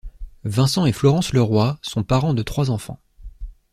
Vincent et Florence Leroy sont parents de trois enfants.